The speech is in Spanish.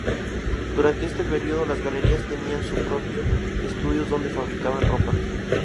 Durante este período, las Galerías tenían sus propios estudios donde fabricaban ropa.